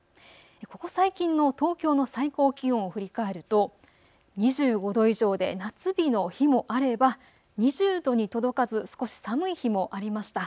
ここ最近の東京の最高気温を振り返ると２５度以上で夏日の日もあれば２０度に届かず、少し寒い日もありました。